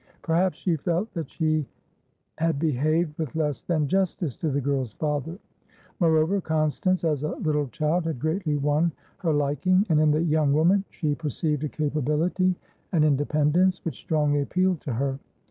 Perhaps she felt that she had behaved with less than justice to the girl's father; moreover, Constance as a little child had greatly won her liking, and in the young woman she perceived a capability, an independence, which strongly appealed to her.